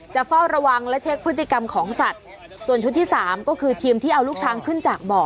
เฝ้าระวังและเช็คพฤติกรรมของสัตว์ส่วนชุดที่สามก็คือทีมที่เอาลูกช้างขึ้นจากบ่อ